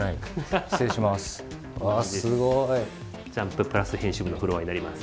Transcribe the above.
「ジャンプ＋」編集部のフロアになります。